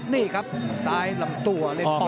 นี่ครับสายลำตัว